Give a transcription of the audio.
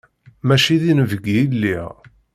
Mačči d inebgi i lliɣ.